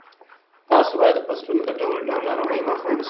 تاسو باید د فصلونو د ډول ډول ناروغیو مخه ونیسئ.